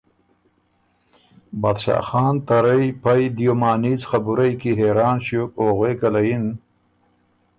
بادشاه خان ته رئ پئ دیو معنیځ خبُرئ کی حېران ݭیوک او غوېکه له یِن